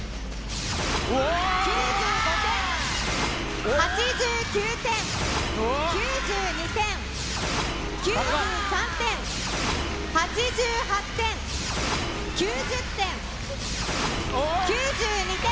９５点、８９点、９２点、９３点、８８点、９０点、９２点。